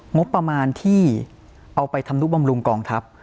งบประมาณที่เอาไปทำนุบำรุงกองทัพ